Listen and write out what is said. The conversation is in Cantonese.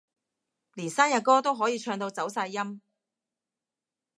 連生日歌都可以唱到走晒音